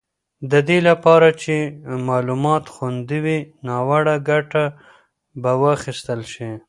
د دې لپاره چې معلومات خوندي وي، ناوړه ګټه به وانخیستل شي.